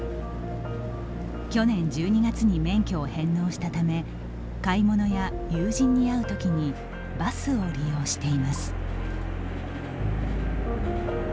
去年１２月に免許を返納したため買い物や友人に会うときにバスを利用しています。